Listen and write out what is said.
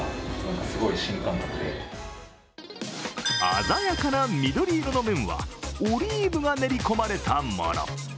鮮やかな緑色の麺はオリーブが練り込まれたもの。